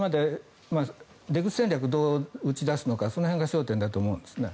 出口戦略をどう打ち出すのかその辺が焦点だと思うんですね。